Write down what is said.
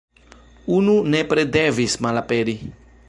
Unu nepre devis malaperi."".